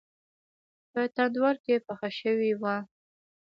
په تندور کې پخه شوې وه.